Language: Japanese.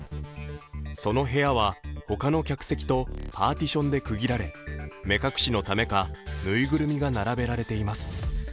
その部屋は他の客席とパーティションで区切られ、目隠しのためか、縫いぐるみが並べられています。